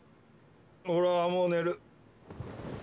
俺はもう寝る。